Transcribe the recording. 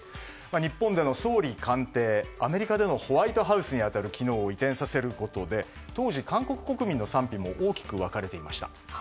日本での総理官邸、アメリカでのホワイトハウスに当たる機能を移転させることで当時、韓国国民の賛否も大きく分かれていました。